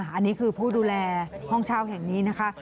อันนี้คือผู้ดูแลห้องเช่าแห่งนี้นะคะ